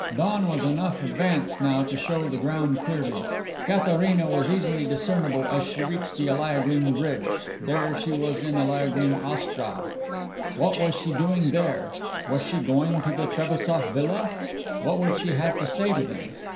Dawn was enough advanced now to show the ground clearly. Katharina was easily discernible as she reached the Eliaguine bridge. There she was in Eliaguine Ostrow. What was she doing there? Was she going to the Trebassof villa? What would she have to say to them?